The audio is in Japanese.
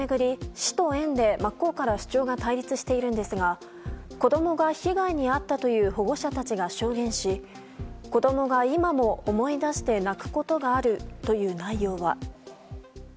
市と園で真っ向から主張が対立しているんですが子供が被害に遭ったという保護者たちが証言し子供が今も思い出して泣くことがあるという内容は。